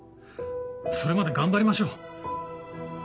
それまで頑張りましょう。